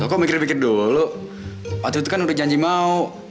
aku mikir mikir dulu waktu itu kan udah janji mau